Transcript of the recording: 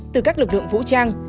từ các lực lượng vũ trang